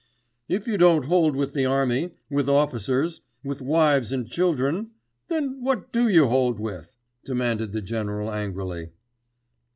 "If you don't hold with the army, with officers, with wives and children, then what do you hold with?" demanded the General angrily.